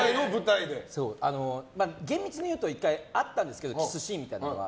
厳密に言うと１回、あったんですけどキスシーンみたいなのは。